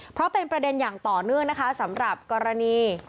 เพราะเป็นประเด็นอย่างต่อเนื่องนะคะสำหรับกรณี